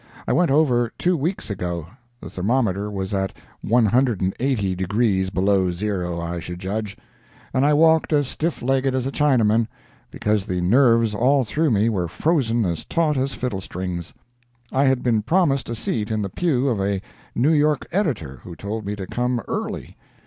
I went over two weeks ago, (the thermometer was at 180 degrees below zero, I should judge), and I walked as stiff legged as a Chinaman, because the nerves all through me were frozen as taut as fiddle strings. I had been promised a seat in the pew of a New York editor, who told me to come 'early.'